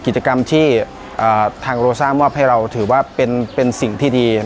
กิจกรรมที่ทางโลซ่ามอบให้เราถือว่าเป็นสิ่งที่ดี